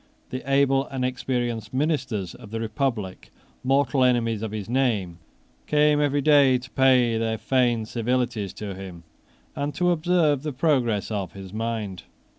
The able and experienced ministers of the republic, mortal enemies of his name, came every day to pay their feigned civilities to him, and to observe the progress of his mind.